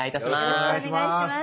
よろしくお願いします。